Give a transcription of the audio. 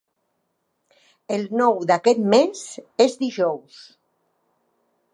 El nou d'aquest mes és dijous.